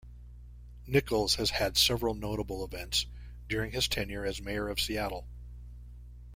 Nickels has had several notable events during his tenure as mayor of Seattle.